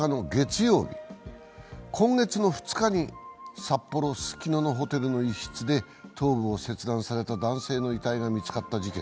今月の２日に札幌・ススキノのホテルの一室で頭部を切断された男性の遺体が見つかった事件。